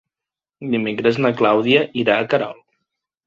Dimecres na Clàudia irà a Querol.